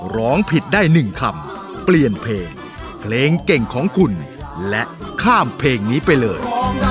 ร้องผิดได้๑คำเปลี่ยนเพลงเพลงเก่งของคุณและข้ามเพลงนี้ไปเลย